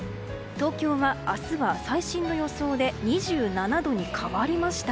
東京は明日は最新の予想で２７度に変わりました。